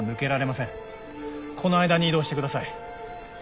この間に移動してください。